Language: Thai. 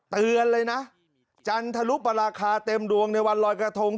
เตือนเลยนะจันทรุปราคาเต็มดวงในวันลอยกระทง